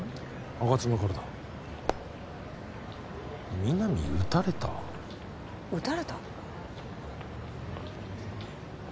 吾妻からだ「みなみうたれた」？うたれた？